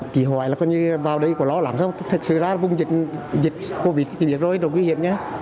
kỳ hoại là có như vào đây có lo lắng không thật sự ra vùng dịch covid thì được rồi đồn nguy hiểm nhé